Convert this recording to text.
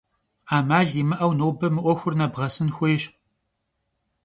'emal yimı'eu nobe mı 'uexur nebğesın xuêyş.